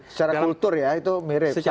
secara kultur ya itu mirip